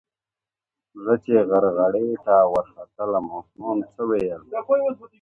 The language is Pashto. زه چي غرغړې ته ورختلم اسمان څه ویل